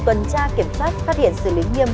tuần tra kiểm soát phát hiện xử lý nghiêm